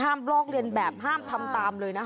ห้ามลอกเลือนแบบห้ามทำตามเลยนะครับ